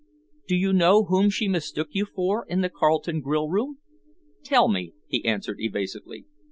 "Do you know whom she mistook you for in the Carlton grill room?" "Tell me?" he answered evasively.